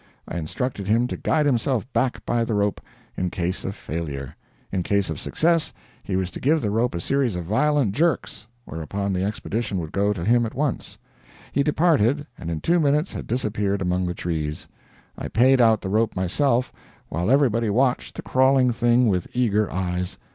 I instructed him to guide himself back by the rope, in case of failure; in case of success, he was to give the rope a series of violent jerks, whereupon the Expedition would go to him at once. He departed, and in two minutes had disappeared among the trees. I payed out the rope myself, while everybody watched the crawling thing with eager eyes.